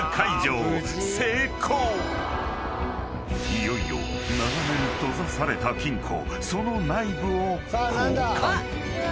［いよいよ長年閉ざされた金庫その内部を公開］